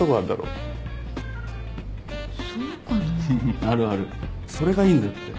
うんあるあるそれがいいんだって。